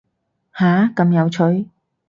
下，咁有趣